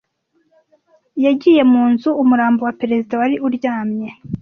Yagiye mu nzu umurambo wa perezida wari uryamye.